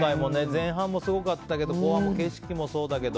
前半もすごかったけど後半の景色もそうだけど。